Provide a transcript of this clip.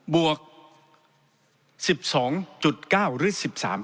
บวก๑๒๙หรือ๑๓